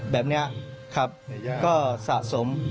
แบบนี้ครับก็สะสม